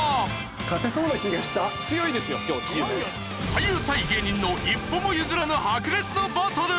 俳優対芸人の一歩も譲らぬ白熱のバトル！